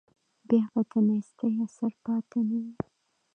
بیا به د نیستۍ اثر پاتې نه وي.